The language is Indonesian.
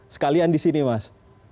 sekalian di sini mas